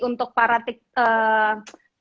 untuk para tiktok